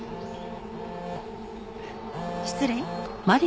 失礼。